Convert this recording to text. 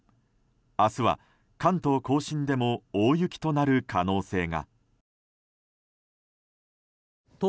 明日は関東・甲信でも大雪となる可能性が。